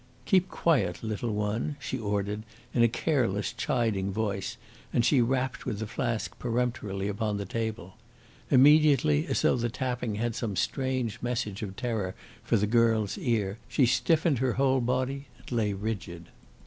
"Keep quiet, little one!" she ordered in a careless, chiding voice, and she rapped with the flask peremptorily upon the table. Immediately, as though the tapping had some strange message of terror for the girl's ear, she stiffened her whole body and lay rigid.